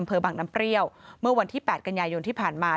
บังน้ำเปรี้ยวเมื่อวันที่๘กันยายนที่ผ่านมา